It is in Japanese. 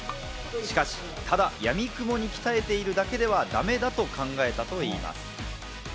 しかし、ただやみくもに鍛えているだけではだめだと考えたといいます。